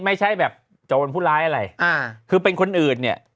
ไม่ใช่แบบโจรผู้ร้ายอะไรอ่าคือเป็นคนอื่นเนี่ย